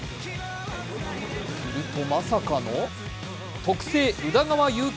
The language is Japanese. すると、まさかの特製宇田川優希